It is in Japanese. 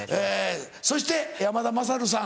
そして山田優さん。